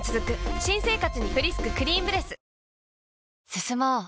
進もう。